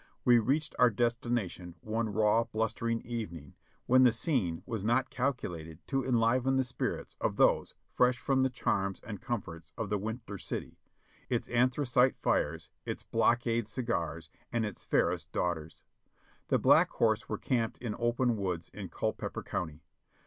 We reached our destination one raw, blustering evening, when the scene was not calculated to enliven the spirits of those fresh from the charms and comforts of the winter city — its anthracite fires, its blockade cigars, and its fairest daughters. The Black Horse were camped in open woods in Culpeper County.